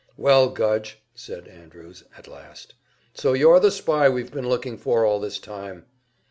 "Well, Gudge," said Andrews, at last, "so you're the spy we've been looking for all this time!"